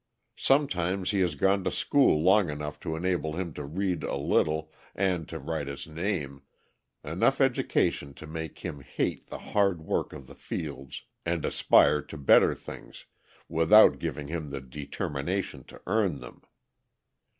Sometimes he has gone to school long enough to enable him to read a little and to write his name, enough education to make him hate the hard work of the fields and aspire to better things, without giving him the determination to earn them.